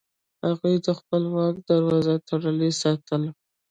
هغوی د خپل واک دروازه تړلې ساتله.